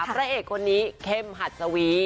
พระเอกคนนี้เข้มหัดสวี